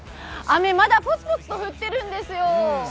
雨まだポツポツと降ってるんですよ。